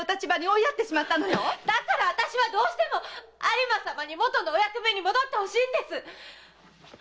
だからどうしても有馬様にもとのお役目に戻ってほしいの！